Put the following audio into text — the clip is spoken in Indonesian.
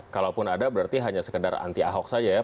kalaupun ada berarti hanya sekedar anti ahok saja ya